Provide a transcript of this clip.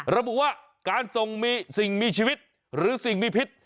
ระบุว่าการส่งมีสิ่งมีชีวิตหรือสิ่งมีพิษ